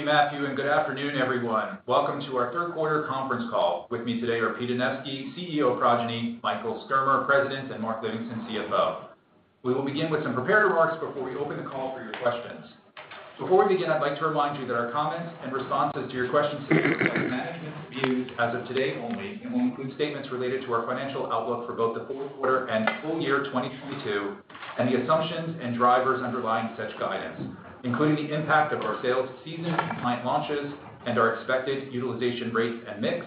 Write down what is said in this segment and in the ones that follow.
Thank you, Matthew, and good afternoon, everyone. Welcome to our third quarter conference call. With me today are Peter Anevski, CEO of Progyny, Michael Sturmer, President, and Mark Livingston, CFO. We will begin with some prepared remarks before we open the call for your questions. Before we begin, I'd like to remind you that our comments and responses to your questions today are management's views as of today only and will include statements related to our financial outlook for both the fourth quarter and full year 2022, and the assumptions and drivers underlying such guidance, including the impact of our sales season, client launches and our expected utilization rates and mix,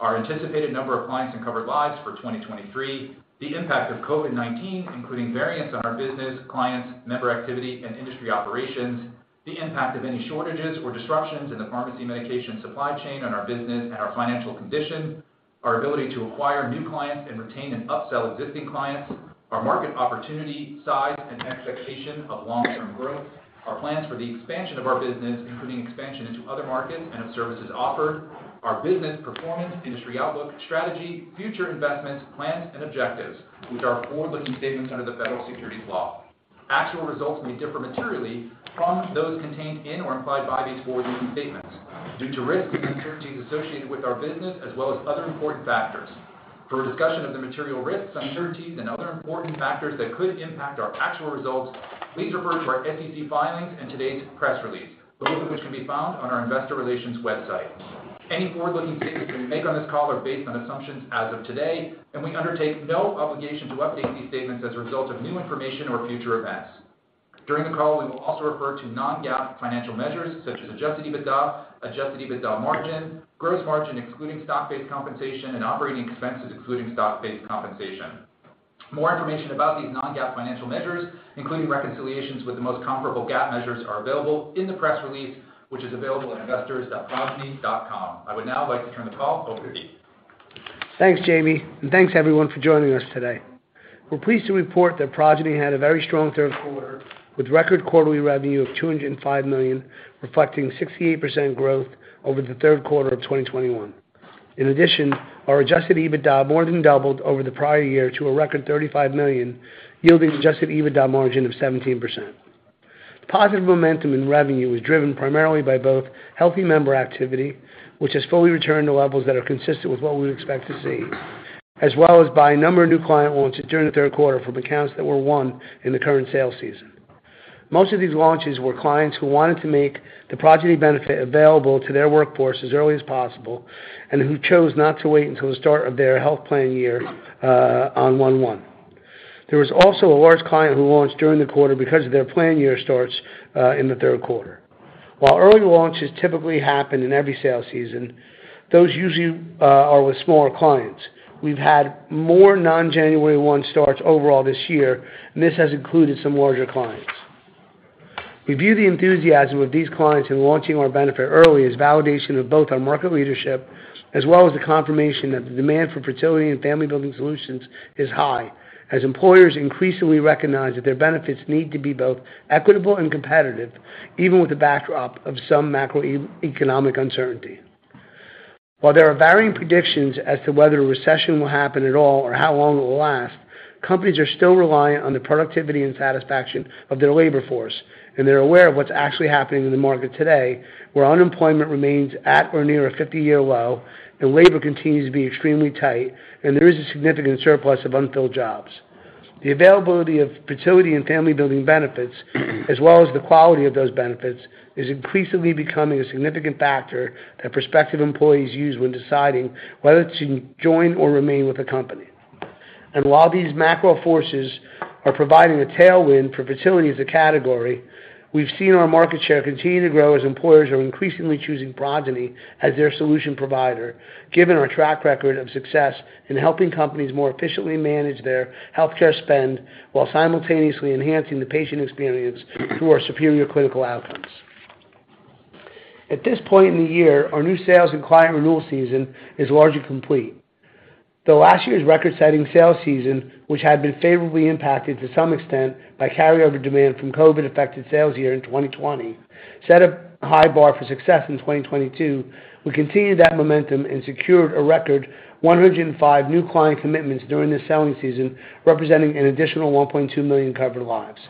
our anticipated number of clients and covered lives for 2023, the impact of COVID-19, including variants on our business, clients, member activity, and industry operations, the impact of any shortages or disruptions in the pharmacy medication supply chain on our business and our financial condition, our ability to acquire new clients and retain and upsell existing clients, our market opportunity, size, and expectation of long-term growth, our plans for the expansion of our business, including expansion into other markets and of services offered, our business performance, industry outlook, strategy, future investments, plans and objectives, which are forward-looking statements under the federal securities laws. Actual results may differ materially from those contained in or implied by these forward-looking statements due to risks and uncertainties associated with our business, as well as other important factors. For a discussion of the material risks, uncertainties, and other important factors that could impact our actual results, please refer to our SEC filings and today's press release, both of which can be found on our investor relations website. Any forward-looking statements we make on this call are based on assumptions as of today, and we undertake no obligation to update these statements as a result of new information or future events. During the call, we will also refer to non-GAAP financial measures such as adjusted EBITDA, adjusted EBITDA margin, gross margin, including stock-based compensation and operating expenses, including stock-based compensation. More information about these non-GAAP financial measures, including reconciliations with the most comparable GAAP measures, are available in the press release, which is available at investors.progyny.com. I would now like to turn the call over to Pete. Thanks, Jamie, and thanks everyone for joining us today. We're pleased to report that Progyny had a very strong third quarter with record quarterly revenue of $205 million, reflecting 68% growth over the third quarter of 2021. In addition, our adjusted EBITDA more than doubled over the prior year to a record $35 million, yielding adjusted EBITDA margin of 17%. Positive momentum in revenue was driven primarily by both healthy member activity, which has fully returned to levels that are consistent with what we expect to see, as well as by a number of new client launches during the third quarter from accounts that were won in the current sales season. Most of these launches were clients who wanted to make the Progyny benefit available to their workforce as early as possible and who chose not to wait until the start of their health plan year, on 1/1. There was also a large client who launched during the quarter because their plan year starts in the third quarter. While early launches typically happen in every sales season, those usually are with smaller clients. We've had more non-January 1 starts overall this year, and this has included some larger clients. We view the enthusiasm of these clients in launching our benefit early as validation of both our market leadership as well as the confirmation that the demand for fertility and family-building solutions is high, as employers increasingly recognize that their benefits need to be both equitable and competitive, even with the backdrop of some macro economic uncertainty. While there are varying predictions as to whether a recession will happen at all or how long it will last, companies are still reliant on the productivity and satisfaction of their labor force, and they're aware of what's actually happening in the market today, where unemployment remains at or near a 50-year low and labor continues to be extremely tight and there is a significant surplus of unfilled jobs. The availability of fertility and family-building benefits, as well as the quality of those benefits, is increasingly becoming a significant factor that prospective employees use when deciding whether to join or remain with a company. While these macro forces are providing a tailwind for fertility as a category, we've seen our market share continue to grow as employers are increasingly choosing Progyny as their solution provider, given our track record of success in helping companies more efficiently manage their healthcare spend while simultaneously enhancing the patient experience through our superior clinical outcomes. At this point in the year, our new sales and client renewal season is largely complete. Though last year's record-setting sales season, which had been favorably impacted to some extent by carryover demand from COVID-affected sales year in 2020, set a high bar for success in 2022, we continued that momentum and secured a record 105 new client commitments during the selling season, representing an additional 1.2 million covered lives.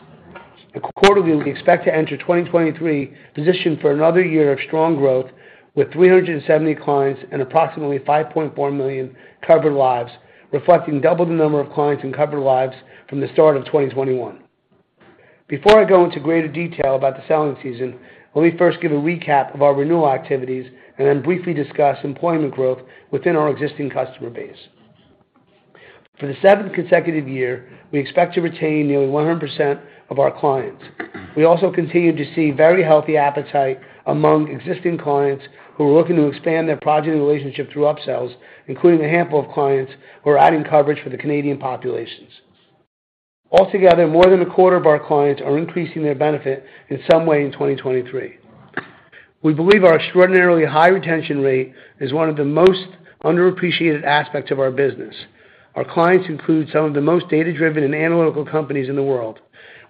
Quarterly, we expect to enter 2023 positioned for another year of strong growth with 370 clients and approximately 5.4 million covered lives, reflecting double the number of clients and covered lives from the start of 2021. Before I go into greater detail about the selling season, let me first give a recap of our renewal activities and then briefly discuss employment growth within our existing customer base. For the seventh consecutive year, we expect to retain nearly 100% of our clients. We also continue to see very healthy appetite among existing clients who are looking to expand their Progyny relationship through upsells, including a handful of clients who are adding coverage for the Canadian populations. Altogether, more than a quarter of our clients are increasing their benefit in some way in 2023. We believe our extraordinarily high retention rate is one of the most underappreciated aspects of our business. Our clients include some of the most data-driven and analytical companies in the world.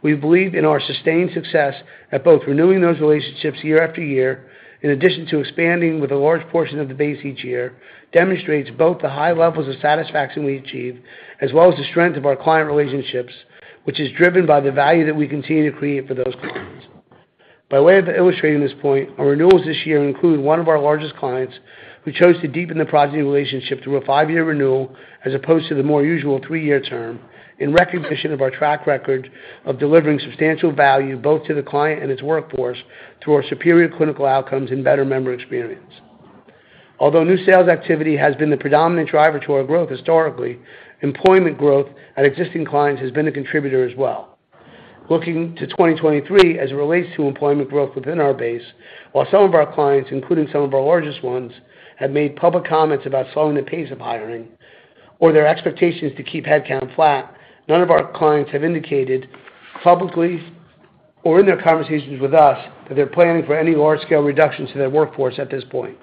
We believe in our sustained success at both renewing those relationships year-after-year, in addition to expanding with a large portion of the base each year, demonstrates both the high levels of satisfaction we achieve as well as the strength of our client relationships, which is driven by the value that we continue to create for those clients. By way of illustrating this point, our renewals this year include one of our largest clients who chose to deepen the Progyny relationship through a five-year renewal as opposed to the more usual three-year term, in recognition of our track record of delivering substantial value both to the client and its workforce through our superior clinical outcomes and better member experience. Although new sales activity has been the predominant driver to our growth historically, employment growth at existing clients has been a contributor as well. Looking to 2023 as it relates to employment growth within our base, while some of our clients, including some of our largest ones, have made public comments about slowing the pace of hiring or their expectations to keep headcount flat, none of our clients have indicated publicly or in their conversations with us that they're planning for any large scale reductions to their workforce at this point.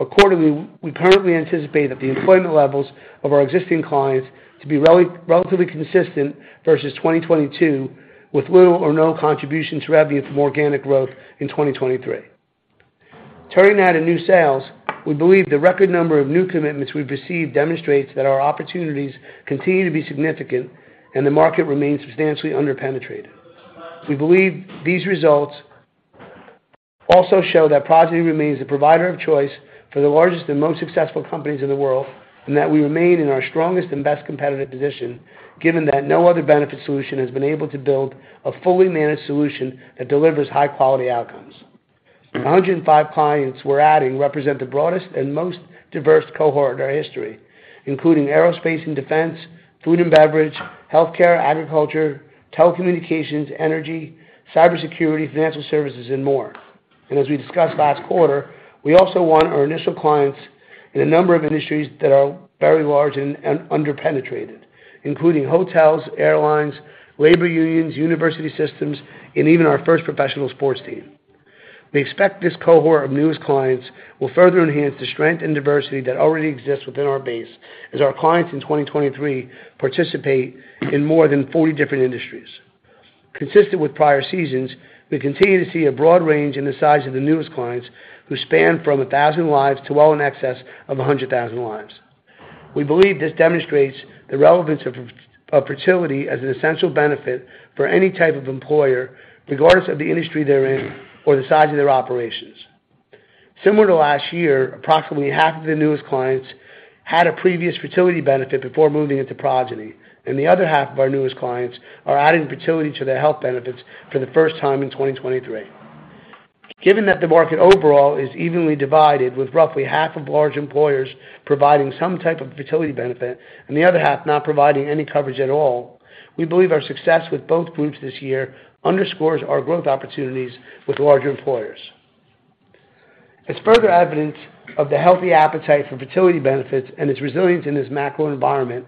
Accordingly, we currently anticipate that the employment levels of our existing clients to be relatively consistent versus 2022, with little or no contribution to revenue from organic growth in 2023. Turning now to new sales, we believe the record number of new commitments we've received demonstrates that our opportunities continue to be significant and the market remains substantially under-penetrated. We believe these results also show that Progyny remains the provider of choice for the largest and most successful companies in the world, and that we remain in our strongest and best competitive position, given that no other benefit solution has been able to build a fully managed solution that delivers high-quality outcomes. The 105 clients we're adding represent the broadest and most diverse cohort in our history, including aerospace and defense, food and beverage, healthcare, agriculture, telecommunications, energy, cybersecurity, financial services, and more. As we discussed last quarter, we also won our initial clients in a number of industries that are very large and under-penetrated, including hotels, airlines, labor unions, university systems, and even our first professional sports team. We expect this cohort of newest clients will further enhance the strength and diversity that already exists within our base as our clients in 2023 participate in more than 40 different industries. Consistent with prior seasons, we continue to see a broad range in the size of the newest clients who span from 1,000 lives to well in excess of 100,000 lives. We believe this demonstrates the relevance of fertility as an essential benefit for any type of employer, regardless of the industry they're in or the size of their operations. Similar to last year, approximately half of the newest clients had a previous fertility benefit before moving into Progyny, and the other half of our newest clients are adding fertility to their health benefits for the first time in 2023. Given that the market overall is evenly divided, with roughly half of large employers providing some type of fertility benefit and the other half not providing any coverage at all, we believe our success with both groups this year underscores our growth opportunities with larger employers. As further evidence of the healthy appetite for fertility benefits and its resilience in this macro environment,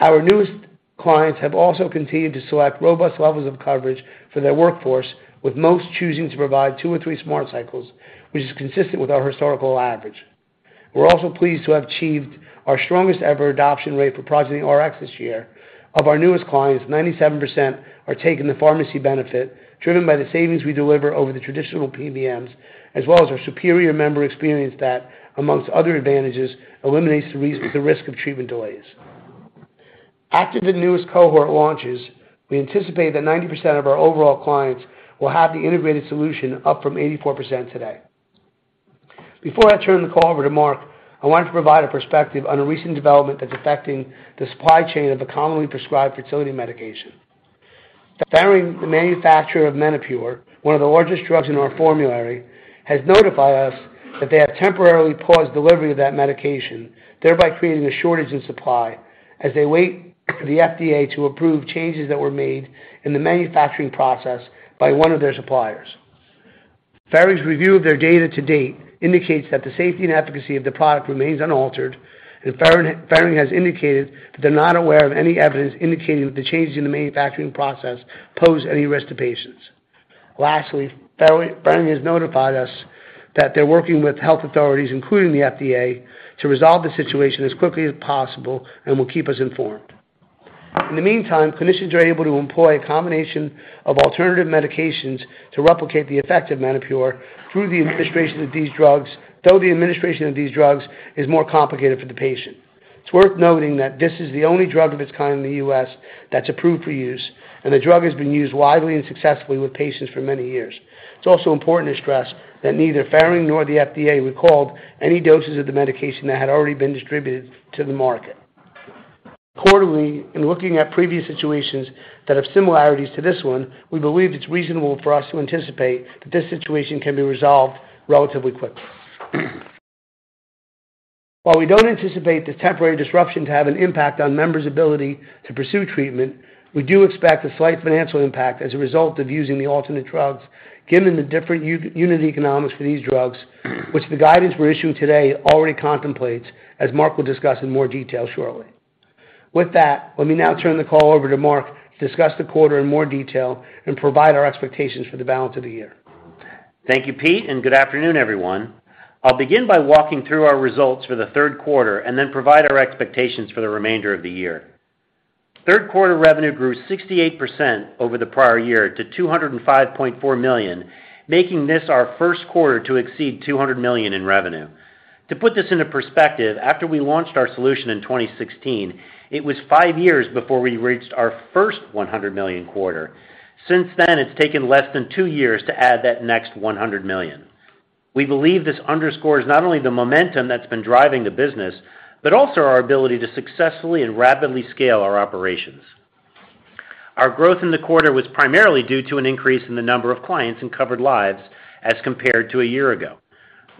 our newest clients have also continued to select robust levels of coverage for their workforce, with most choosing to provide two or three Smart Cycles, which is consistent with our historical average. We're also pleased to have achieved our strongest ever adoption rate for Progyny Rx this year. Of our newest clients, 97% are taking the pharmacy benefit, driven by the savings we deliver over the traditional PBMs, as well as our superior member experience that, among other advantages, eliminates the risk of treatment delays. After the newest cohort launches, we anticipate that 90% of our overall clients will have the integrated solution, up from 84% today. Before I turn the call over to Mark, I wanted to provide a perspective on a recent development that's affecting the supply chain of a commonly prescribed fertility medication. Ferring, the manufacturer of Menopur, one of the largest drugs in our formulary, has notified us that they have temporarily paused delivery of that medication, thereby creating a shortage in supply as they wait for the FDA to approve changes that were made in the manufacturing process by one of their suppliers. Ferring's review of their data to date indicates that the safety and efficacy of the product remains unaltered, and Ferring has indicated that they're not aware of any evidence indicating that the changes in the manufacturing process pose any risk to patients. Lastly, Ferring has notified us that they're working with health authorities, including the FDA, to resolve the situation as quickly as possible and will keep us informed. In the meantime, clinicians are able to employ a combination of alternative medications to replicate the effect of Menopur through the administration of these drugs, though the administration of these drugs is more complicated for the patient. It's worth noting that this is the only drug of its kind in the U.S. that's approved for use, and the drug has been used widely and successfully with patients for many years. It's also important to stress that neither Ferring nor the FDA recalled any doses of the medication that had already been distributed to the market. Quarterly, in looking at previous situations that have similarities to this one, we believe it's reasonable for us to anticipate that this situation can be resolved relatively quickly. While we don't anticipate the temporary disruption to have an impact on members' ability to pursue treatment, we do expect a slight financial impact as a result of using the alternative drugs given the different unit economics for these drugs, which the guidance we're issuing today already contemplates, as Mark will discuss in more detail shortly. With that, let me now turn the call over to Mark to discuss the quarter in more detail and provide our expectations for the balance of the year. Thank you, Pete, and good afternoon, everyone. I'll begin by walking through our results for the third quarter and then provide our expectations for the remainder of the year. Third quarter revenue grew 68% over the prior year to $205.4 million, making this our first quarter to exceed $200 million in revenue. To put this into perspective, after we launched our solution in 2016, it was five years before we reached our first $100 million quarter. Since then, it's taken less than two years to add that next $100 million. We believe this underscores not only the momentum that's been driving the business, but also our ability to successfully and rapidly scale our operations. Our growth in the quarter was primarily due to an increase in the number of clients and covered lives as compared to a year ago.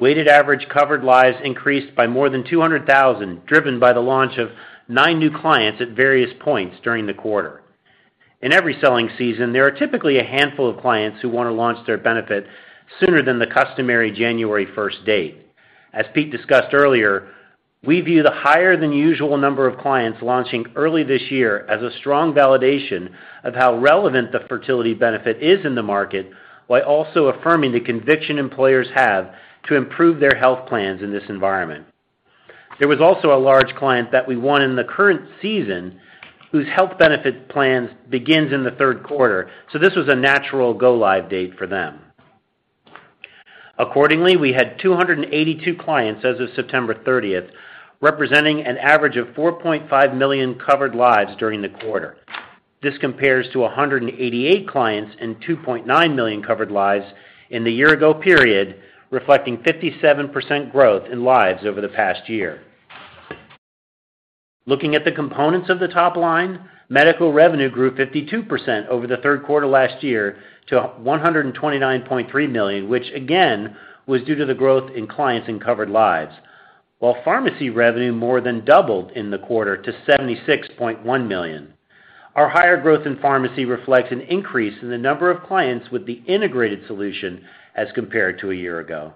Weighted average covered lives increased by more than 200,000, driven by the launch of 9 new clients at various points during the quarter. In every selling season, there are typically a handful of clients who want to launch their benefit sooner than the customary January 1st date. As Pete discussed earlier, we view the higher than usual number of clients launching early this year as a strong validation of how relevant the fertility benefit is in the market, while also affirming the conviction employers have to improve their health plans in this environment. There was also a large client that we won in the current season whose health benefit plans begins in the third quarter, so this was a natural go live date for them. Accordingly, we had 282 clients as of September 30th, representing an average of 4.5 million covered lives during the quarter. This compares to 188 clients and 2.9 million covered lives in the year-ago period, reflecting 57% growth in lives over the past year. Looking at the components of the top line, medical revenue grew 52% over the third quarter last year to $129.3 million, which again was due to the growth in clients and covered lives. While pharmacy revenue more than doubled in the quarter to $76.1 million. Our higher growth in pharmacy reflects an increase in the number of clients with the integrated solution as compared to a year ago.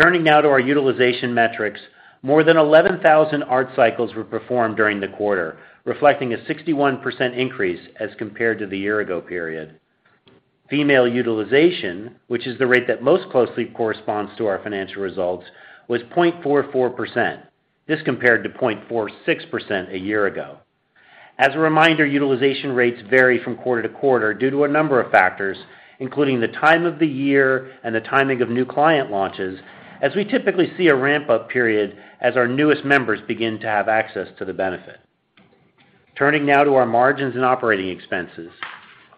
Turning now to our utilization metrics. More than 11,000 ART cycles were performed during the quarter, reflecting a 61% increase as compared to the year ago period. Female utilization, which is the rate that most closely corresponds to our financial results, was 0.44%. This compared to 0.46% a year ago. As a reminder, utilization rates vary from quarter to quarter due to a number of factors, including the time of the year and the timing of new client launches, as we typically see a ramp up period as our newest members begin to have access to the benefit. Turning now to our margins and operating expenses.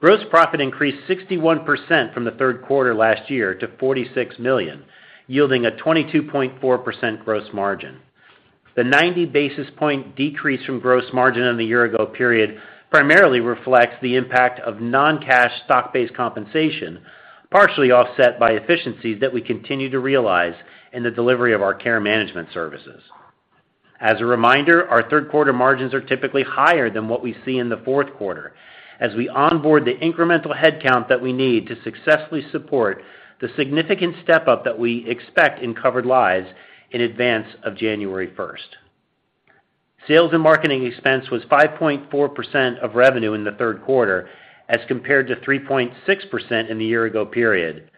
Gross profit increased 61% from the third quarter last year to $46 million, yielding a 22.4% gross margin. The 90 basis point decrease from gross margin in the year ago period primarily reflects the impact of non-cash stock-based compensation, partially offset by efficiencies that we continue to realize in the delivery of our care management services. As a reminder, our third quarter margins are typically higher than what we see in the fourth quarter as we onboard the incremental headcount that we need to successfully support the significant step up that we expect in covered lives in advance of January 1st. Sales and marketing expense was 5.4% of revenue in the third quarter as compared to 3.6% in the year ago period.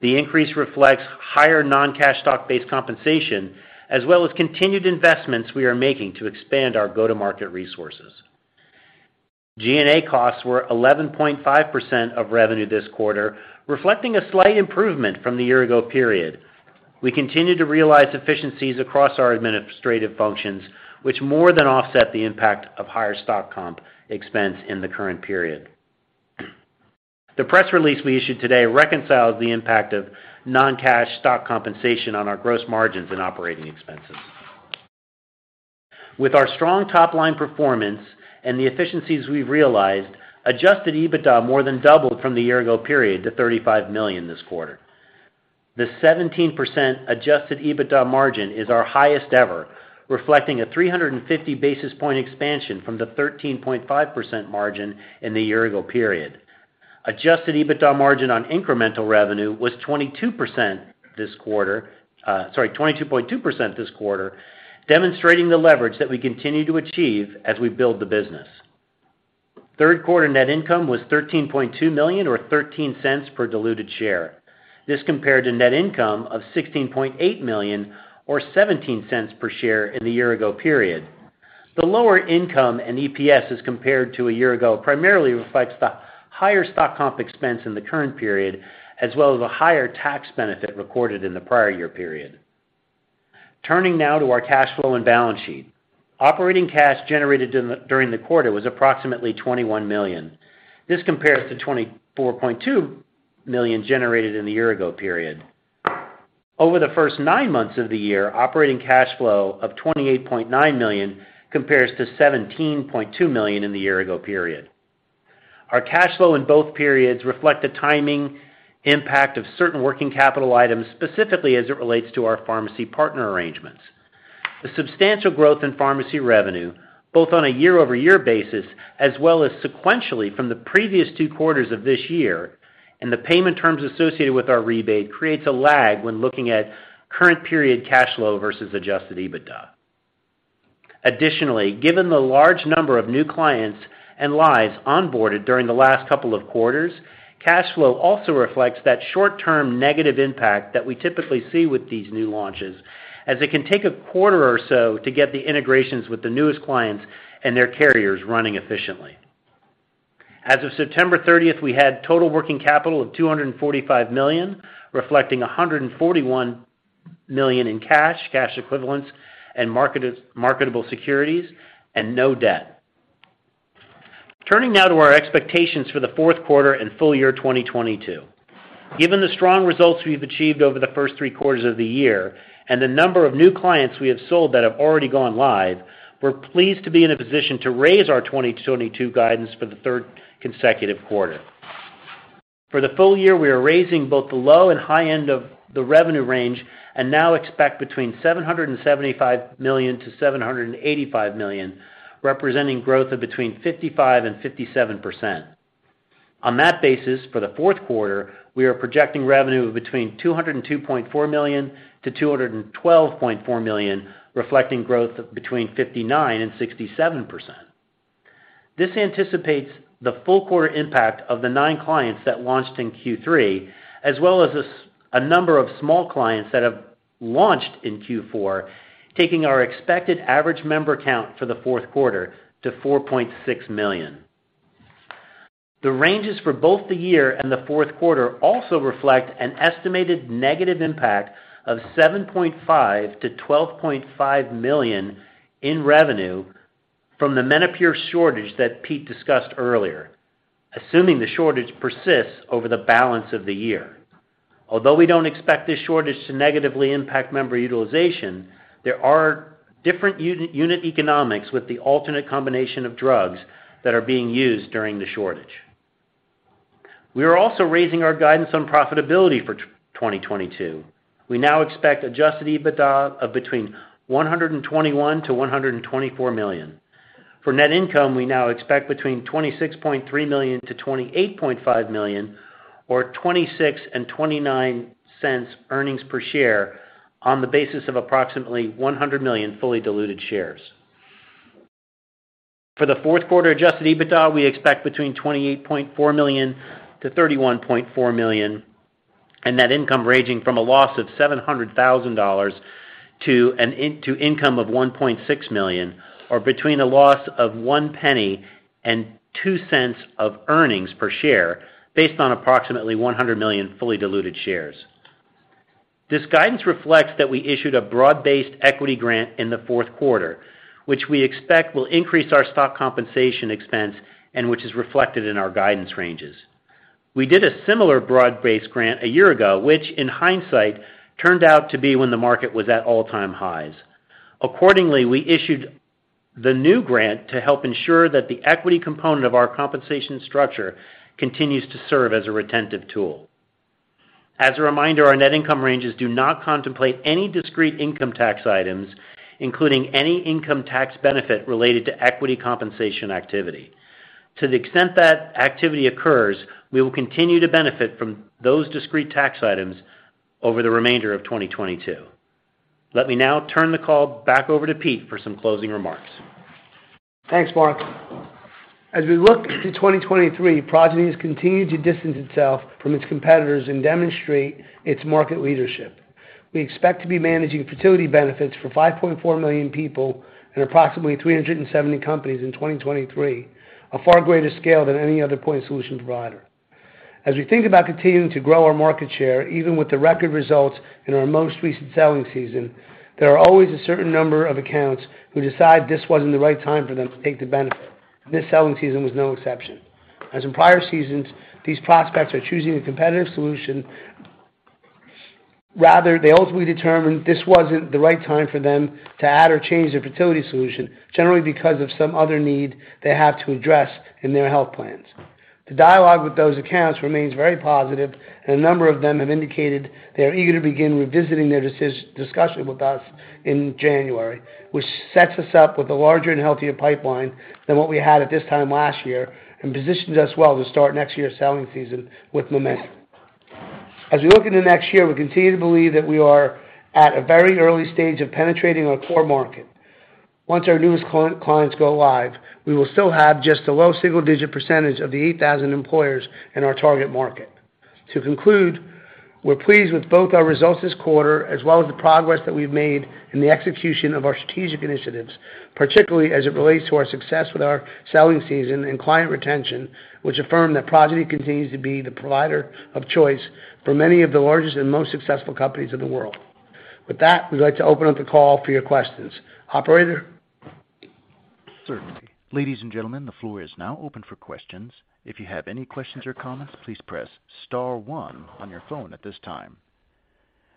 The increase reflects higher non-cash stock-based compensation as well as continued investments we are making to expand our go-to-market resources. G&A costs were 11.5% of revenue this quarter, reflecting a slight improvement from the year ago period. We continue to realize efficiencies across our administrative functions which more than offset the impact of higher stock comp expense in the current period. The press release we issued today reconciles the impact of non-cash stock compensation on our gross margins and operating expenses. With our strong top-line performance and the efficiencies we've realized, adjusted EBITDA more than doubled from the year ago period to $35 million this quarter. The 17% adjusted EBITDA margin is our highest ever, reflecting a 350 basis point expansion from the 13.5% margin in the year ago period. Adjusted EBITDA margin on incremental revenue was 22% this quarter, 22.2% This quarter, demonstrating the leverage that we continue to achieve as we build the business. Third quarter net income was $13.2 million or $0.13 per diluted share. This compared to net income of $16.8 million or $0.17 per share in the year ago period. The lower income and EPS as compared to a year ago primarily reflects the higher stock comp expense in the current period as well as a higher tax benefit recorded in the prior year period. Turning now to our cash flow and balance sheet. Operating cash generated during the quarter was approximately $21 million. This compares to $24.2 million generated in the year ago period. Over the first nine months of the year, operating cash flow of $28.9 million compares to $17.2 million in the year ago period. Our cash flow in both periods reflect the timing impact of certain working capital items, specifically as it relates to our pharmacy partner arrangements. The substantial growth in pharmacy revenue, both on a year-over-year basis as well as sequentially from the previous two quarters of this year and the payment terms associated with our rebate creates a lag when looking at current period cash flow versus adjusted EBITDA. Additionally, given the large number of new clients and lives onboarded during the last couple of quarters, cash flow also reflects that short-term negative impact that we typically see with these new launches as it can take a quarter or so to get the integrations with the newest clients and their carriers running efficiently. As of September 30th, we had total working capital of $245 million, reflecting $141 million in cash equivalents, and marketable securities and no debt. Turning now to our expectations for the fourth quarter and full year 2022. Given the strong results we've achieved over the first three quarters of the year and the number of new clients we have sold that have already gone live, we're pleased to be in a position to raise our 2022 guidance for the third consecutive quarter. For the full year, we are raising both the low and high end of the revenue range and now expect between $775 million-$785 million, representing growth of between 55%-57%. On that basis, for the fourth quarter, we are projecting revenue of between $202.4 million-$212.4 million, reflecting growth of between 59%-67%. This anticipates the full quarter impact of the nine clients that launched in Q3, as well as a number of small clients that have launched in Q4, taking our expected average member count for the fourth quarter to 4.6 million. The ranges for both the year and the fourth quarter also reflect an estimated negative impact of $7.5 million-$12.5 million in revenue from the Menopur shortage that Pete discussed earlier, assuming the shortage persists over the balance of the year. Although we don't expect this shortage to negatively impact member utilization, there are different unit economics with the alternate combination of drugs that are being used during the shortage. We are also raising our guidance on profitability for 2022. We now expect adjusted EBITDA of between $121 million-$124 million. For net income, we now expect between $26.3 million-$28.5 million or 26-29 cents earnings per share on the basis of approximately 100 million fully diluted shares. For the fourth quarter adjusted EBITDA, we expect between $28.4 million-$31.4 million, and net income ranging from a loss of $700,000 to income of $1.6 million, or between a loss of $0.01 and $0.02 Of earnings per share based on approximately 100 million fully diluted shares. This guidance reflects that we issued a broad-based equity grant in the fourth quarter, which we expect will increase our stock-based compensation expense and which is reflected in our guidance ranges. We did a similar broad-based grant a year ago, which in hindsight, turned out to be when the market was at all-time highs. Accordingly, we issued the new grant to help ensure that the equity component of our compensation structure continues to serve as a retentive tool. As a reminder, our net income ranges do not contemplate any discrete income tax items, including any income tax benefit related to equity compensation activity. To the extent that activity occurs, we will continue to benefit from those discrete tax items over the remainder of 2022. Let me now turn the call back over to Pete for some closing remarks. Thanks, Mark. As we look to 2023, Progyny has continued to distance itself from its competitors and demonstrate its market leadership. We expect to be managing fertility benefits for 5.4 million people and approximately 370 companies in 2023, a far greater scale than any other point solution provider. As we think about continuing to grow our market share, even with the record results in our most recent selling season, there are always a certain number of accounts who decide this wasn't the right time for them to take the benefit. This selling season was no exception. As in prior seasons, these prospects are choosing a competitive solution. Rather, they ultimately determined this wasn't the right time for them to add or change their fertility solution, generally because of some other need they have to address in their health plans. The dialogue with those accounts remains very positive, and a number of them have indicated they are eager to begin revisiting their discussion with us in January, which sets us up with a larger and healthier pipeline than what we had at this time last year and positions us well to start next year's selling season with momentum. As we look into next year, we continue to believe that we are at a very early stage of penetrating our core market. Once our newest clients go live, we will still have just a low single-digit percentage of the 8,000 employers in our target market. To conclude, we're pleased with both our results this quarter as well as the progress that we've made in the execution of our strategic initiatives, particularly as it relates to our success with our selling season and client retention, which affirm that Progyny continues to be the provider of choice for many of the largest and most successful companies in the world. With that, we'd like to open up the call for your questions. Operator? Certainly. Ladies and gentlemen, the floor is now open for questions. If you have any questions or comments, please press star one on your phone at this time.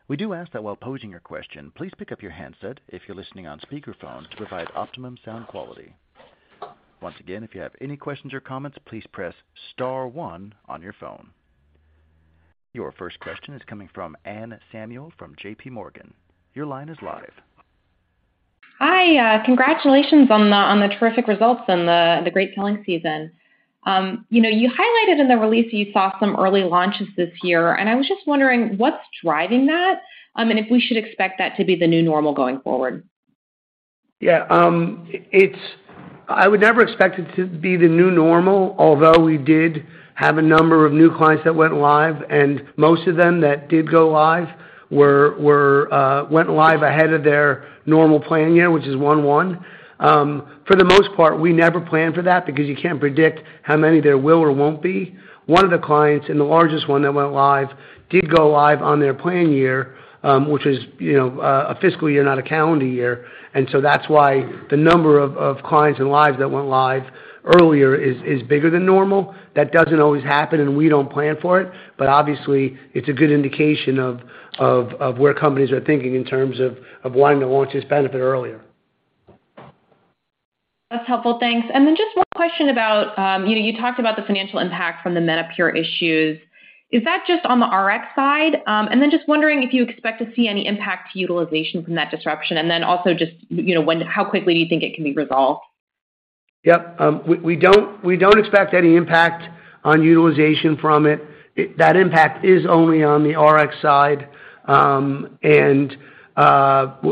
We do ask that while posing your question, please pick up your handset if you're listening on speakerphone to provide optimum sound quality. Once again, if you have any questions or comments, please press star one on your phone. Your first question is coming from Anne Samuel from JPMorgan. Your line is live. Hi, congratulations on the terrific results and the great selling season. You know, you highlighted in the release that you saw some early launches this year, and I was just wondering what's driving that, and if we should expect that to be the new normal going forward. Yeah. I would never expect it to be the new normal, although we did have a number of new clients that went live, and most of them that did go live went live ahead of their normal plan year, which is 1/1. For the most part, we never planned for that because you can't predict how many there will or won't be. One of the clients, and the largest one that went live, did go live on their plan year, which is, you know, a fiscal year, not a calendar year. That's why the number of clients and lives that went live earlier is bigger than normal. That doesn't always happen, and we don't plan for it. Obviously, it's a good indication of where companies are thinking in terms of wanting to launch this benefit earlier. That's helpful. Thanks. Just one question about, you know, you talked about the financial impact from the Menopur issues. Is that just on the RX side? Just wondering if you expect to see any impact to utilization from that disruption. Just, you know, how quickly do you think it can be resolved? Yep. We don't expect any impact on utilization from it. That impact is only on the RX side.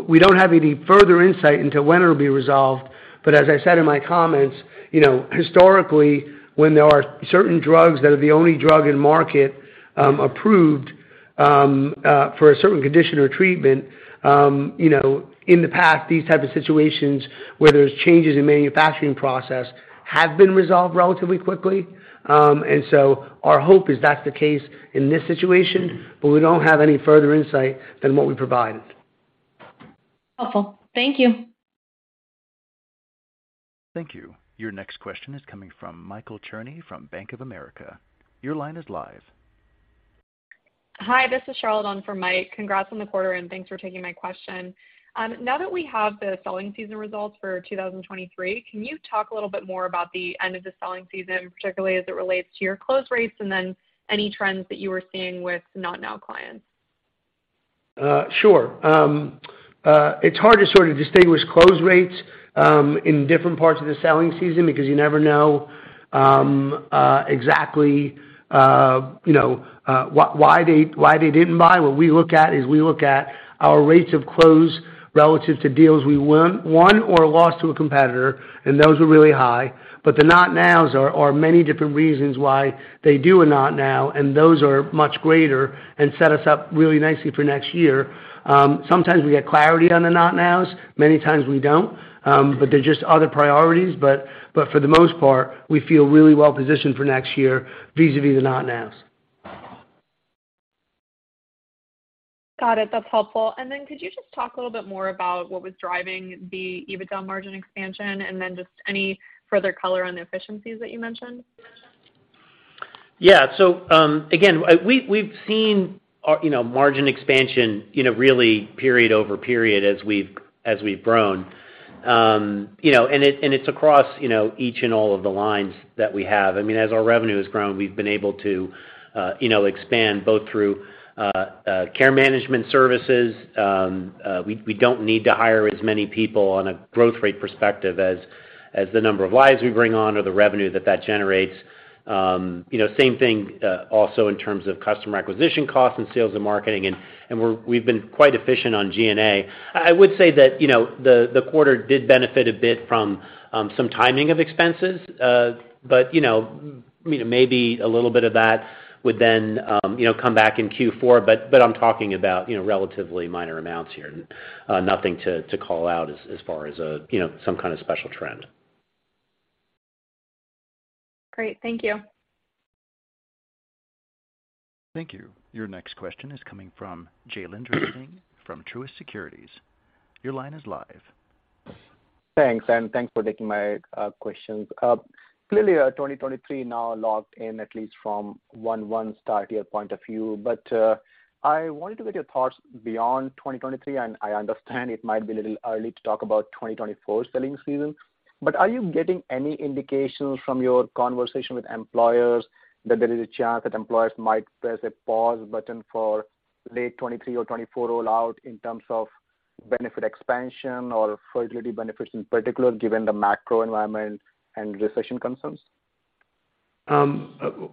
We don't have any further insight into when it'll be resolved. As I said in my comments, you know, historically, when there are certain drugs that are the only drug on the market, approved for a certain condition or treatment, you know, in the past, these type of situations where there's changes in manufacturing process have been resolved relatively quickly. Our hope is that's the case in this situation, but we don't have any further insight than what we provided. Helpful. Thank you. Thank you. Your next question is coming from Michael Cherny from Bank of America. Your line is live. Hi, this is Charlotte on for Mike. Congrats on the quarter, and thanks for taking my question. Now that we have the selling season results for 2023, can you talk a little bit more about the end of the selling season, particularly as it relates to your close rates, and then any trends that you were seeing with not now clients? Sure. It's hard to sort of distinguish close rates in different parts of the selling season because you never know exactly, you know, why they didn't buy. What we look at is we look at our rates of close relative to deals we won or lost to a competitor, and those were really high. The not nows are many different reasons why they do a not now, and those are much greater and set us up really nicely for next year. Sometimes we get clarity on the not nows, many times we don't, but they're just other priorities. For the most part, we feel really well positioned for next year vis-à-vis the not nows. Got it. That's helpful. Could you just talk a little bit more about what was driving the EBITDA margin expansion and then just any further color on the efficiencies that you mentioned? Yeah. Again, we've seen, you know, margin expansion, you know, really period over period as we've grown. You know, it's across, you know, each and all of the lines that we have. I mean, as our revenue has grown, we've been able to, you know, expand both through care management services. We don't need to hire as many people on a growth rate perspective as the number of lives we bring on or the revenue that generates. You know, same thing, also in terms of customer acquisition costs and sales and marketing, and we've been quite efficient on G&A. I would say that, you know, the quarter did benefit a bit from some timing of expenses. you know, maybe a little bit of that would then come back in Q4. I'm talking about, you know, relatively minor amounts here. nothing to call out as far as, you know, some kind of special trend. Great. Thank you. Thank you. Your next question is coming from Jailendra Singh from Truist Securities. Your line is live. Thanks, and thanks for taking my questions. Clearly, 2023 now locked in at least from 1/1 start year point of view. I wanted to get your thoughts beyond 2023, and I understand it might be a little early to talk about 2024 selling season. Are you getting any indications from your conversation with employers that there is a chance that employers might press a pause button for late 2023 or 2024 rollout in terms of benefit expansion or fertility benefits in particular, given the macro environment and recession concerns?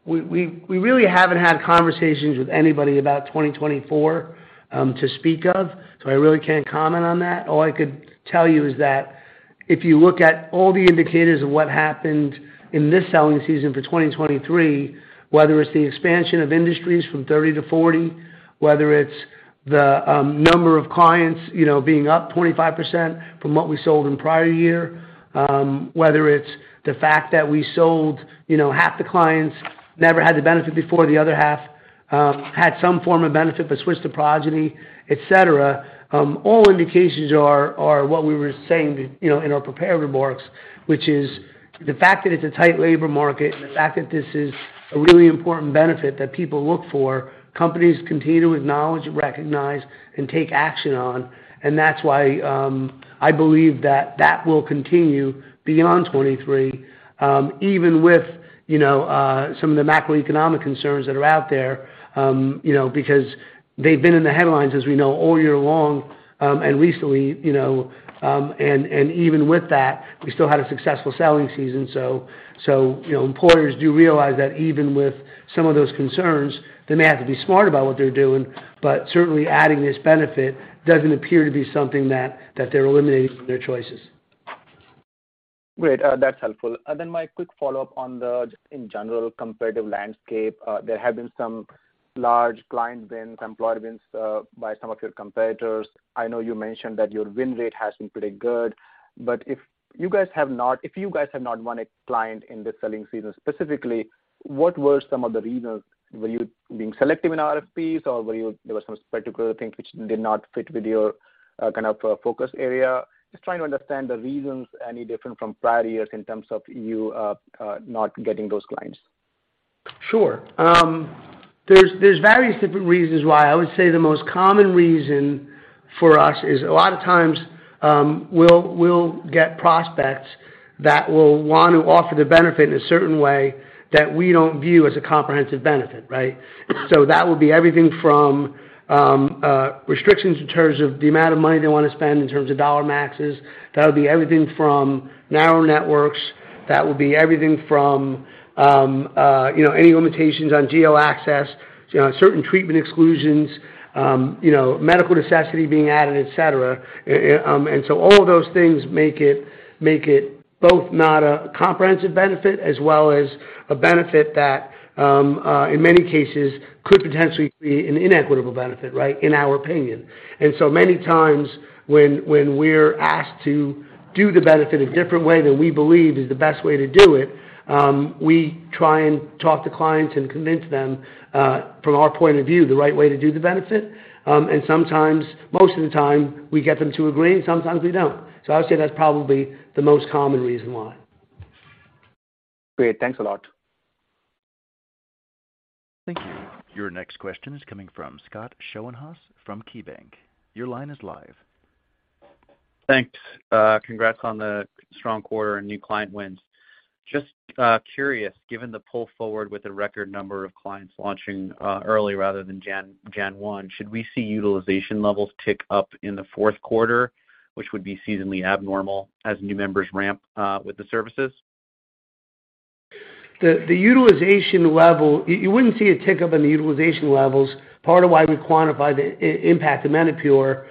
We really haven't had conversations with anybody about 2024, to speak of, so I really can't comment on that. All I could tell you is that if you look at all the indicators of what happened in this selling season for 2023, whether it's the expansion of industries from 30 to 40, whether it's the number of clients, you know, being up 25% from what we sold in prior year, whether it's the fact that we sold, you know, half the clients never had the benefit before, the other half had some form of benefit but switched to Progyny, et cetera, all indications are what we were saying, you know, in our prepared remarks, which is the fact that it's a tight labor market and the fact that this is a really important benefit that people look for, companies continue to acknowledge, recognize, and take action on. That's why I believe that will continue beyond 2023, even with, you know, some of the macroeconomic concerns that are out there, you know, because they've been in the headlines, as we know, all year long, and recently, you know. And even with that, we still had a successful selling season. So, you know, employers do realize that even with some of those concerns, they may have to be smart about what they're doing, but certainly adding this benefit doesn't appear to be something that they're eliminating from their choices. Great. That's helpful. Then my quick follow-up on the just in general competitive landscape. There have been some large client wins, employer wins, by some of your competitors. I know you mentioned that your win rate has been pretty good. But if you guys have not won a client in this selling season, specifically, what were some of the reasons? Were you being selective in RFPs, or there were some particular things which did not fit with your kind of focus area? Just trying to understand the reasons any different from prior years in terms of you not getting those clients. Sure. There's various different reasons why. I would say the most common reason for us is a lot of times, we'll get prospects that will want to offer the benefit in a certain way that we don't view as a comprehensive benefit, right? That will be everything from restrictions in terms of the amount of money they wanna spend in terms of dollar maxes. That would be everything from narrow networks, that will be everything from any limitations on geo access, you know, certain treatment exclusions, you know, medical necessity being added, et cetera. All of those things make it both not a comprehensive benefit as well as a benefit that in many cases could potentially be an inequitable benefit, right? In our opinion. Many times when we're asked to do the benefit a different way than we believe is the best way to do it, we try and talk to clients and convince them from our point of view, the right way to do the benefit. Sometimes, most of the time, we get them to agree, and sometimes we don't. I would say that's probably the most common reason why. Great. Thanks a lot. Thank you. Your next question is coming from Scott Schoenhaus from KeyBanc. Your line is live. Thanks. Congrats on the strong quarter and new client wins. Just curious, given the pull forward with a record number of clients launching early rather than January 1, should we see utilization levels tick up in the fourth quarter, which would be seasonally abnormal as new members ramp with the services? You wouldn't see a tick up in the utilization levels. Part of why we quantify the impact of Menopur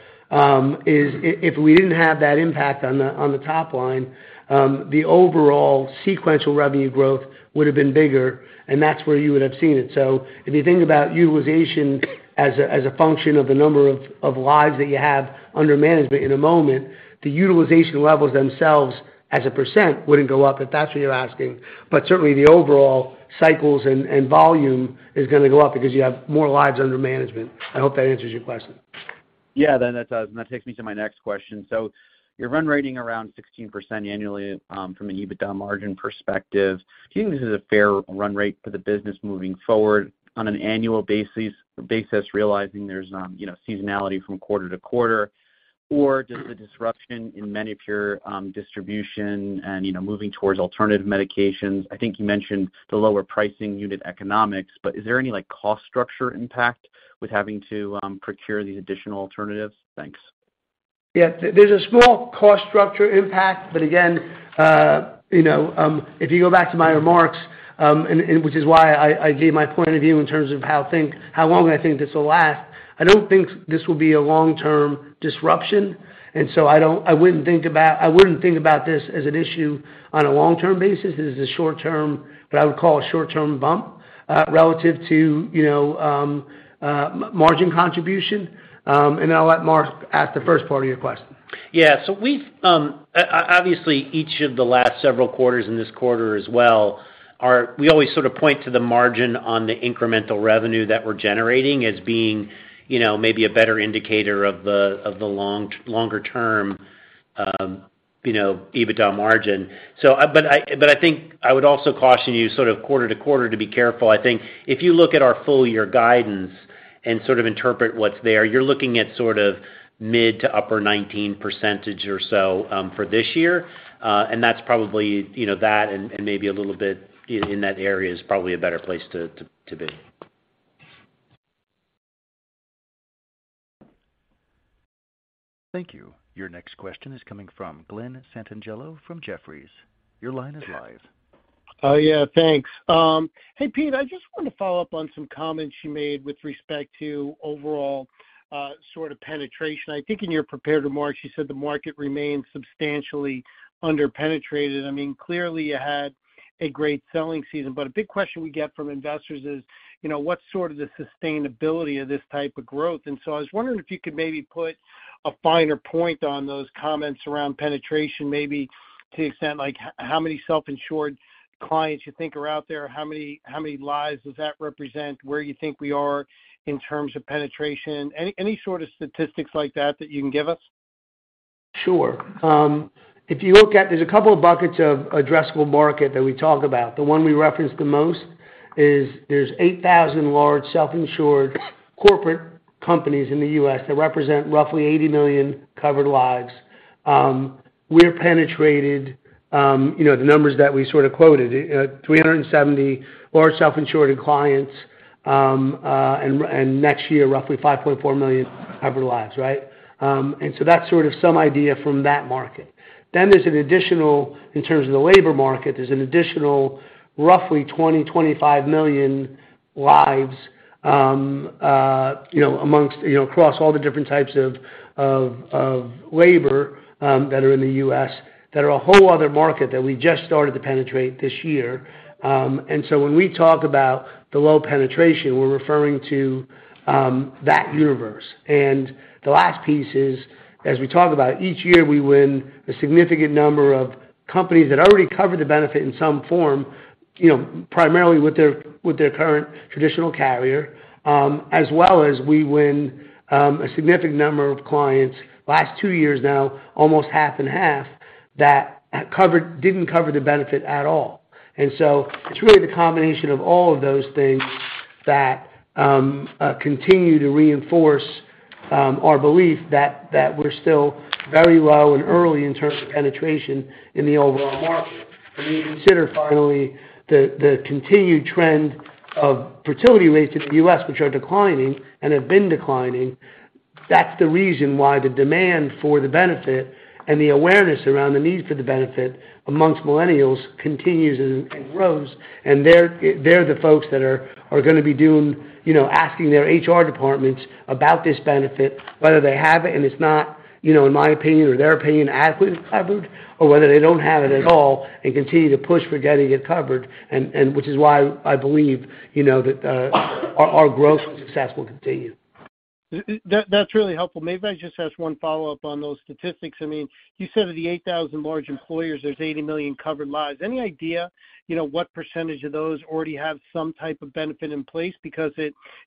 is if we didn't have that impact on the top line, the overall sequential revenue growth would've been bigger, and that's where you would've seen it. If you think about utilization as a function of the number of lives that you have under management in a moment, the utilization levels themselves as a % wouldn't go up, if that's what you're asking. Certainly the overall cycles and volume is gonna go up because you have more lives under management. I hope that answers your question. Yeah, that does. That takes me to my next question. Your run rate around 16% annually, from an EBITDA margin perspective. Do you think this is a fair run rate for the business moving forward on an annual basis, realizing there's, you know, seasonality from quarter to quarter? Or just the disruption in Menopur, distribution and, you know, moving towards alternative medications? I think you mentioned the lower pricing unit economics, but is there any, like, cost structure impact with having to, procure these additional alternatives? Thanks. Yeah. There's a small cost structure impact, but again, you know, if you go back to my remarks, and which is why I gave my point of view in terms of how long I think this will last, I don't think this will be a long-term disruption. I wouldn't think about this as an issue on a long-term basis. This is what I would call a short-term bump relative to, you know, margin contribution. I'll let Mark address the first part of your question. Yeah. We've obviously, each of the last several quarters and this quarter as well, we always sort of point to the margin on the incremental revenue that we're generating as being, you know, maybe a better indicator of the longer term, you know, EBITDA margin. But I think I would also caution you sort of quarter to quarter to be careful. I think if you look at our full year guidance and sort of interpret what's there, you're looking at sort of mid- to upper-19% or so, for this year. And that's probably, you know, that and maybe a little bit in that area is probably a better place to be. Thank you. Your next question is coming from Glen Santangelo from Jefferies. Your line is live. Yeah. Thanks. Hey, Pete, I just wanna follow up on some comments you made with respect to overall, sort of penetration. I think in your prepared remarks, you said the market remains substantially under-penetrated. I mean, clearly you had a great selling season, but a big question we get from investors is, you know, what's sort of the sustainability of this type of growth? I was wondering if you could maybe put a finer point on those comments around penetration, maybe to the extent like how many self-insured clients you think are out there, how many lives does that represent, where you think we are in terms of penetration. Any sort of statistics like that that you can give us? Sure. There's a couple of buckets of addressable market that we talk about. The one we reference the most is there's 8,000 large self-insured corporate companies in the U.S. that represent roughly 80 million covered lives. We've penetrated, you know, the numbers that we sort of quoted, 370 large self-insured clients, and next year, roughly 5.4 million covered lives, right? That's sort of some idea from that market. There's an additional, in terms of the labor market, there's an additional roughly 20-25 million lives, you know, among, you know, across all the different types of labor, that are in the U.S., that are a whole other market that we just started to penetrate this year. When we talk about the low penetration, we're referring to that universe. The last piece is, as we talk about, each year, we win a significant number of companies that already cover the benefit in some form, you know, primarily with their current traditional carrier, as well as we win a significant number of clients, last two years now, almost half and half, that didn't cover the benefit at all. It's really the combination of all of those things that continue to reinforce our belief that we're still very low and early in terms of penetration in the overall market. When you consider finally the continued trend of fertility rates in the U.S., which are declining and have been declining, that's the reason why the demand for the benefit and the awareness around the need for the benefit amongst millennials continues and grows. They're the folks that are gonna be doing, you know, asking their HR departments about this benefit, whether they have it and it's not, you know, in my opinion or their opinion adequately covered, or whether they don't have it at all and continue to push for getting it covered and which is why I believe, you know, that our growth and success will continue. That's really helpful. Maybe if I just ask one follow-up on those statistics. I mean, you said of the 8,000 large employers, there's 80 million covered lives. Any idea, you know, what percentage of those already have some type of benefit in place? Because,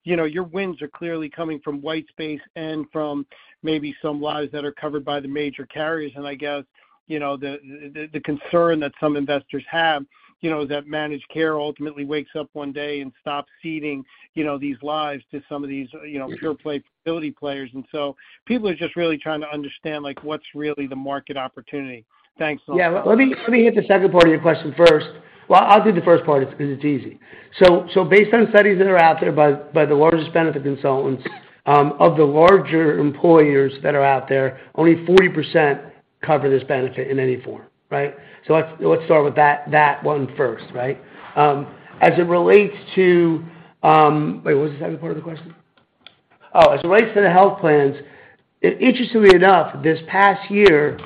you know, your wins are clearly coming from white space and from maybe some lives that are covered by the major carriers. And I guess, you know, the concern that some investors have, you know, is that managed care ultimately wakes up one day and stops seeding, you know, these lives to some of these, you know, pure play fertility players. And so people are just really trying to understand, like, what's really the market opportunity. Thanks. Yeah. Let me hit the second part of your question first. Well, I'll do the first part 'cause it's easy. Based on studies that are out there by the largest benefit consultants of the larger employers that are out there, only 40% cover this benefit in any form, right? Let's start with that one first, right? As it relates to... Wait, what was the second part of the question? Oh, as it relates to the health plans, interestingly enough, this past year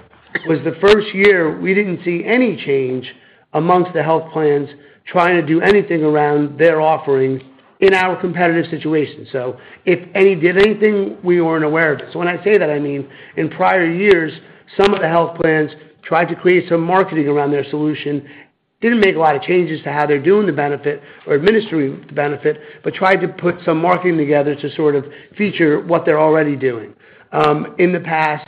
was the first year we didn't see any change amongst the health plans trying to do anything around their offerings in our competitive situation. If any did anything, we weren't aware of it. When I say that, I mean, in prior years, some of the health plans tried to create some marketing around their solution, didn't make a lot of changes to how they're doing the benefit or administering the benefit, but tried to put some marketing together to sort of feature what they're already doing. In the past,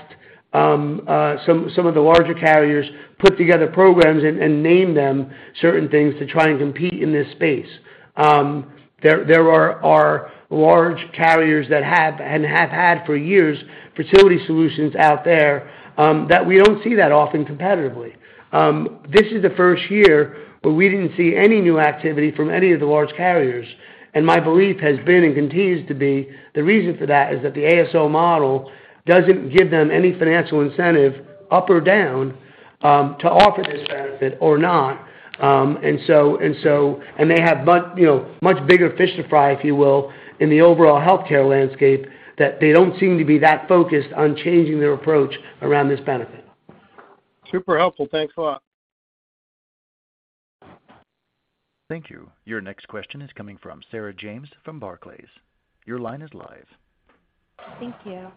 some of the larger carriers put together programs and named them certain things to try and compete in this space. There are large carriers that have had for years fertility solutions out there that we don't see that often competitively. This is the first year where we didn't see any new activity from any of the large carriers, and my belief has been and continues to be the reason for that is that the ASO model doesn't give them any financial incentive up or down, to offer this benefit or not. They have, you know, much bigger fish to fry, if you will, in the overall healthcare landscape, that they don't seem to be that focused on changing their approach around this benefit. Super helpful. Thanks a lot. Thank you. Your next question is coming from Sarah James from Barclays. Your line is live. Thank you.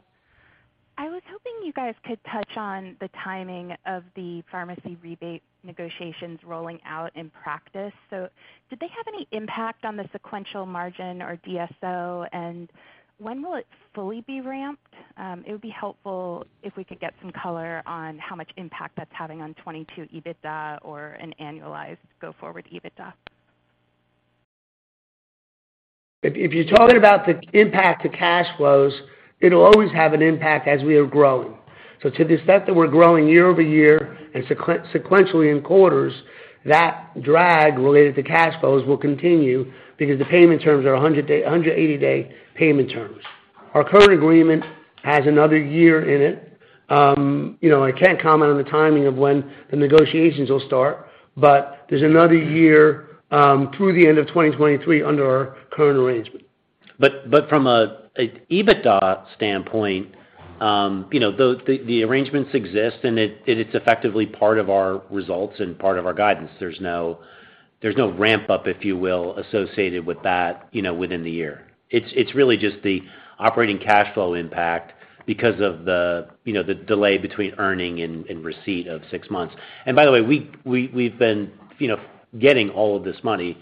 I was hoping you guys could touch on the timing of the pharmacy rebate negotiations rolling out in practice. Did they have any impact on the sequential margin or DSO, and when will it fully be ramped? It would be helpful if we could get some color on how much impact that's having on 2022 EBITDA or an annualized go forward EBITDA. If you're talking about the impact to cash flows, it'll always have an impact as we are growing. To the extent that we're growing year-over-year and sequentially in quarters, that drag related to cash flows will continue because the payment terms are 180-day payment terms. Our current agreement has another year in it. You know, I can't comment on the timing of when the negotiations will start, but there's another year through the end of 2023 under our current arrangement. From a EBITDA standpoint, you know, the arrangements exist, and it is effectively part of our results and part of our guidance. There's no ramp up, if you will, associated with that, you know, within the year. It's really just the operating cash flow impact because of you know, the delay between earning and receipt of six months. By the way, we've been, you know, getting all of this money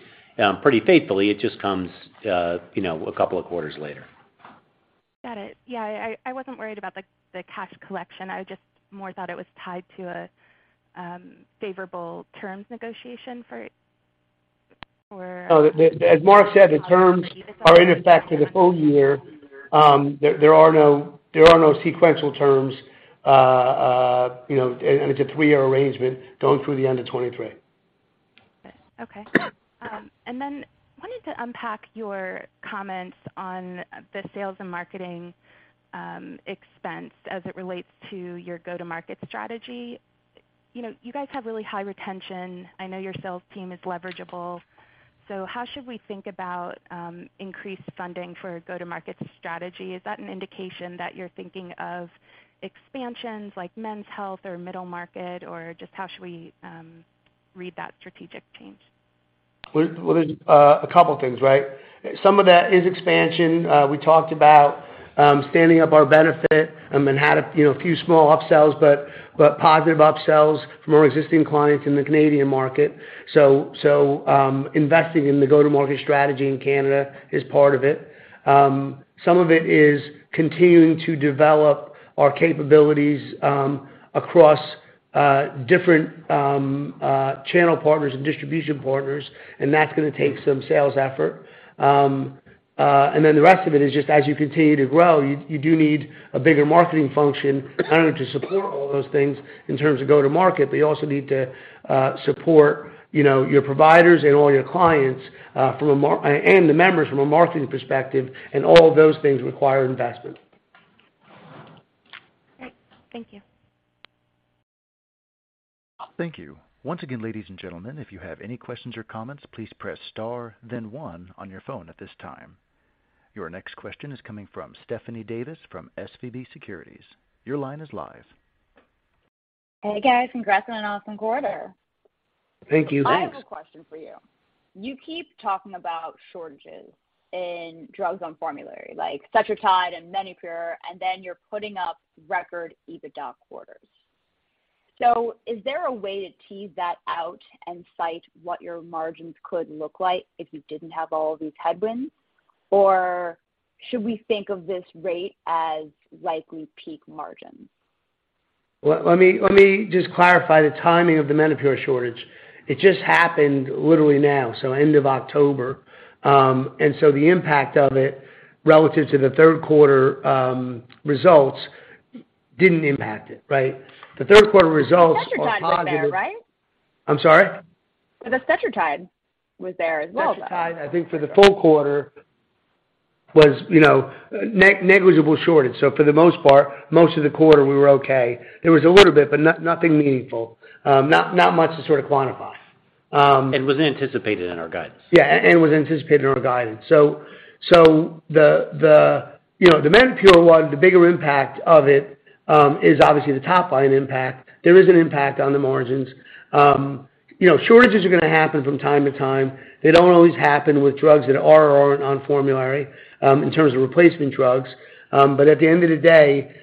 pretty faithfully. It just comes, you know, a couple of quarters later. Got it. Yeah. I wasn't worried about the cash collection. I just more thought it was tied to a favorable terms negotiation for or- No. As Mark said, the terms are in effect for the full year. There are no sequential terms. You know, it's a three-year arrangement going through the end of 2023. Okay. Wanted to unpack your comments on the sales and marketing expense as it relates to your go-to-market strategy. You know, you guys have really high retention. I know your sales team is leverageable. How should we think about increased funding for go-to-market strategy? Is that an indication that you're thinking of expansions like men's health or middle market? Just how should we read that strategic change? Well, there's a couple things, right? Some of that is expansion. We talked about standing up our benefit and then had a few, you know, small upsells, but positive upsells from our existing clients in the Canadian market. So, investing in the go-to-market strategy in Canada is part of it. Some of it is continuing to develop our capabilities across different channel partners and distribution partners, and that's gonna take some sales effort. And then the rest of it is just as you continue to grow, you do need a bigger marketing function, kind of to support all those things in terms of go-to-market. You also need to support, you know, your providers and all your clients and the members from a marketing perspective, and all of those things require investment. Great. Thank you. Thank you. Once again, ladies and gentlemen, if you have any questions or comments, please press Star, then one on your phone at this time. Your next question is coming from Stephanie Davis from SVB Securities. Your line is live. Hey, guys. Congrats on an awesome quarter. Thank you. Thanks. I have a question for you. You keep talking about shortages in drugs on formulary like Cetrotide and Menopur, and then you're putting up record EBITDA quarters. Is there a way to tease that out and cite what your margins could look like if you didn't have all of these headwinds? Or should we think of this rate as likely peak margins? Well, let me just clarify the timing of the Menopur shortage. It just happened literally now, so end of October. The impact of it relative to the third quarter results didn't impact it, right? The third quarter results are positive. Cetrotide was there, right? I'm sorry. The Cetrotide was there as well, though. Cetrotide, I think for the full quarter was, you know, negligible shortage. So for the most part, most of the quarter, we were okay. There was a little bit, but nothing meaningful, not much to sort of quantify. Was anticipated in our guidance. was anticipated in our guidance. You know, the Menopur one, the bigger impact of it is obviously the top line impact. There is an impact on the margins. You know, shortages are gonna happen from time to time. They don't always happen with drugs that are or aren't on formulary, in terms of replacement drugs. But at the end of the day,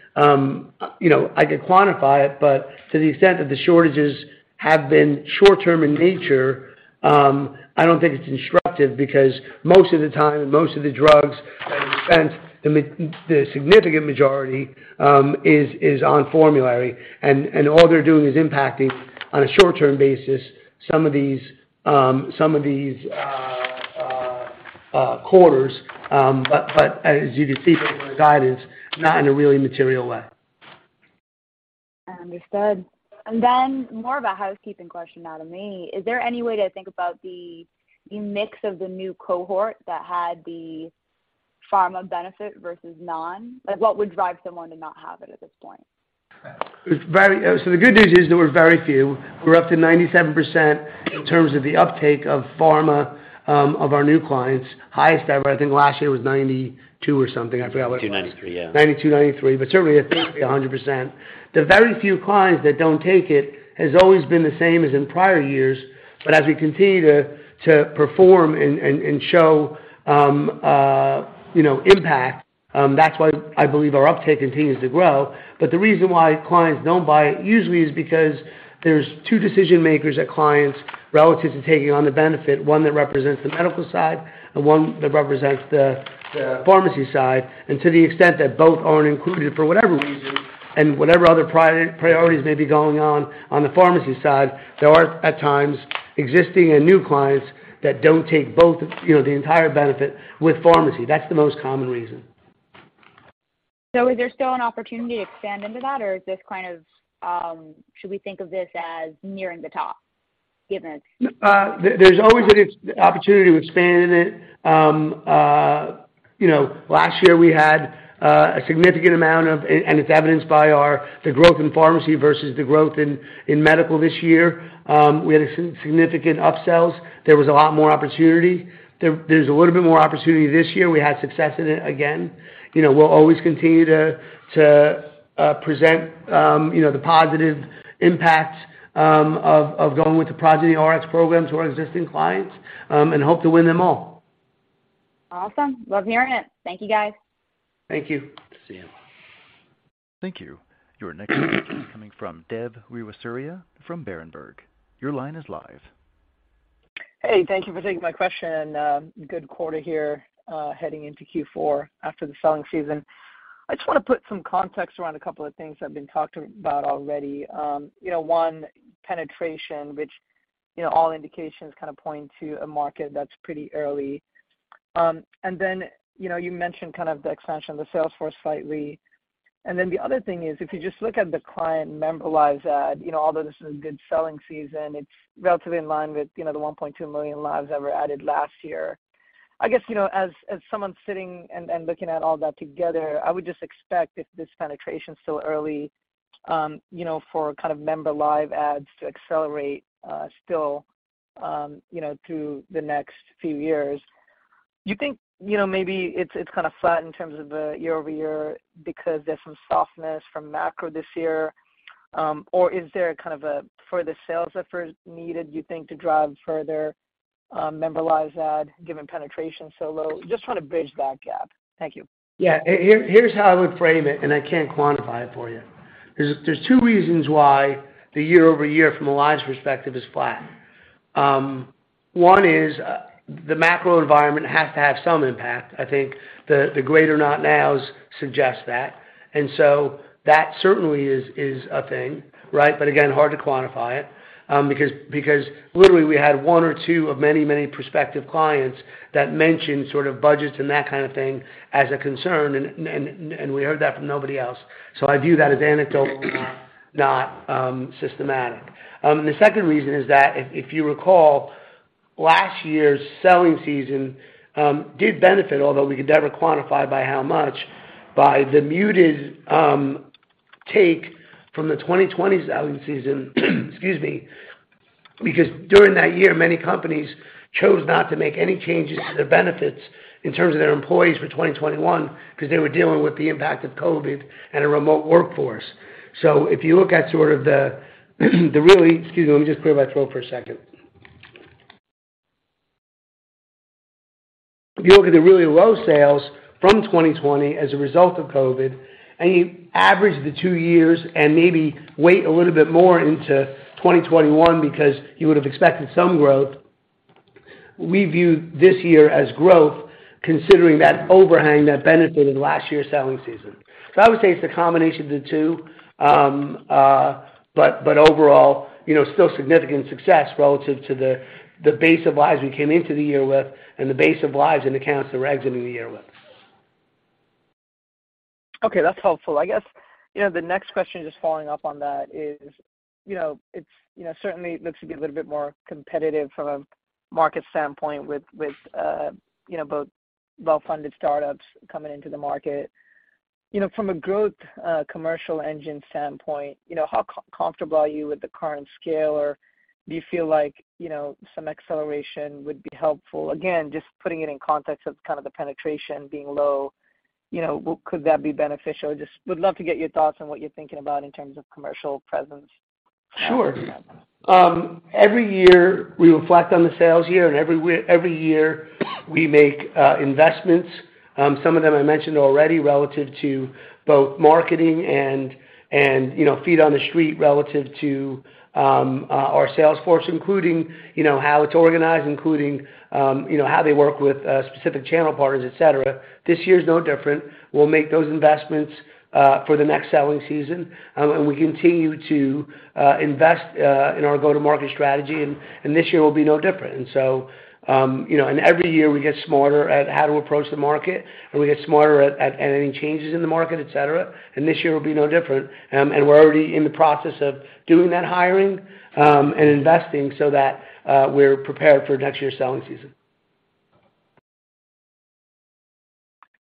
you know, I could quantify it, but to the extent that the shortages have been short-term in nature, I don't think it's instructive because most of the time, most of the drugs, and the significant majority is on formulary, and all they're doing is impacting on a short-term basis some of these quarters. as you can see from our guidance, not in a really material way. Understood. More of a housekeeping question now to me. Is there any way to think about the mix of the new cohort that had the pharma benefit versus non? Like, what would drive someone to not have it at this point? The good news is there were very few. We're up to 97% in terms of the uptake of pharma of our new clients. Highest ever, I think last year was 92 or something. I forget what it was. 92, 93, yeah. 92, 93, but certainly eventually 100%. The very few clients that don't take it has always been the same as in prior years. As we continue to perform and show, you know, impact, that's why I believe our uptake continues to grow. The reason why clients don't buy it usually is because there's two decision-makers at clients relative to taking on the benefit, one that represents the medical side and one that represents the pharmacy side. To the extent that both aren't included for whatever reason and whatever other priorities may be going on the pharmacy side, there are at times existing and new clients that don't take both, you know, the entire benefit with pharmacy. That's the most common reason. Is there still an opportunity to expand into that, or is this kind of, should we think of this as nearing the top, given- There's always an opportunity to expand in it. You know, it's evidenced by the growth in pharmacy versus the growth in medical this year. We had significant upsells. There was a lot more opportunity. There's a little bit more opportunity this year. We had success in it again. You know, we'll always continue to present you know, the positive impacts of going with the Progyny Rx programs to our existing clients and hope to win them all. Awesome. Love hearing it. Thank you, guys. Thank you. See you. Thank you. Your next question is coming from Devyani Wivisauria from Berenberg. Your line is live. Hey, thank you for taking my question. Good quarter here, heading into Q4 after the selling season. I just wanna put some context around a couple of things that have been talked about already. You know, one, penetration, which, you know, all indications kinda point to a market that's pretty early. You know, you mentioned kind of the expansion of the sales force slightly. The other thing is, if you just look at the client member lives added, you know, although this is a good selling season, it's relatively in line with, you know, the 1.2 million lives that were added last year. I guess, you know, as someone sitting and looking at all that together, I would just expect if this penetration's still early, you know, for kind of member lives adds to accelerate, still, you know, through the next few years. You think, you know, maybe it's kinda flat in terms of the year-over-year because there's some softness from macro this year, or is there kind of a further sales effort needed, you think, to drive further member lives add, given penetration's so low? Just trying to bridge that gap. Thank you. Yeah. Here's how I would frame it, and I can't quantify it for you. There's two reasons why the year-over-year from a lives perspective is flat. One is, the macro environment has to have some impact. I think the greater not nows suggest that. That certainly is a thing, right? Again, hard to quantify it, because literally we had one or two of many prospective clients that mentioned sort of budgets and that kind of thing as a concern, and we heard that from nobody else. I view that as anecdotal, not systematic. The second reason is that if you recall, last year's selling season did benefit, although we could never quantify by how much, by the muted uptake from the 2020 selling season, because during that year, many companies chose not to make any changes to their benefits in terms of their employees for 2021 'cause they were dealing with the impact of COVID and a remote workforce. If you look at the really low sales from 2020 as a result of COVID, and you average the two years and maybe weigh a little bit more into 2021 because you would've expected some growth, we view this year as growth, considering that overhang that benefited last year's selling season. I would say it's a combination of the two. But overall, you know, still significant success relative to the base of lives we came into the year with and the base of lives and accounts that we're exiting the year with. Okay, that's helpful. I guess, you know, the next question, just following up on that is, you know, it's, you know, certainly looks to be a little bit more competitive from a market standpoint with you know, both well-funded startups coming into the market. You know, from a growth commercial engine standpoint, you know, how comfortable are you with the current scale, or do you feel like, you know, some acceleration would be helpful? Again, just putting it in context of kind of the penetration being low, you know, could that be beneficial? Just would love to get your thoughts on what you're thinking about in terms of commercial presence. Sure. Every year we reflect on the sales year, and every year we make investments, some of them I mentioned already relative to both marketing and, you know, feet on the street relative to our sales force, including, you know, how it's organized, including, you know, how they work with specific channel partners, et cetera. This year's no different. We'll make those investments for the next selling season, and we continue to invest in our go-to-market strategy and this year will be no different. You know, every year we get smarter at how to approach the market, and we get smarter at any changes in the market, et cetera, and this year will be no different. We're already in the process of doing that hiring, and investing so that we're prepared for next year's selling season.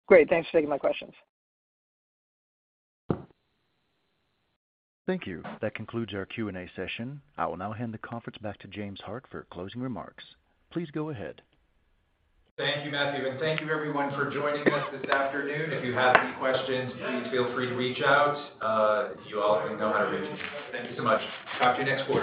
Great. Thanks for taking my questions. Thank you. That concludes our Q&A session. I will now hand the conference back to James Hart for closing remarks. Please go ahead. Thank you, Matthew, and thank you everyone for joining us this afternoon. If you have any questions, please feel free to reach out. You all know how to reach me. Thank you so much. Talk to you next quarter.